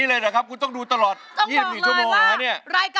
ร้องได้ให้ร้าน